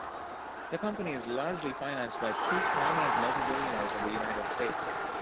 The company is largely financed by two prominent multi billionaires of the United States.